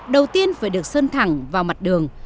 đầu tiên phải được sơn thẳng vào mặt đường